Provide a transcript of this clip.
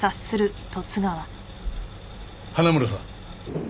花村さん。